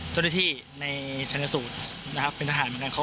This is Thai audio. จนิทธิในชั้นละสูตรนะครับเป็นทหารเหมือนกัน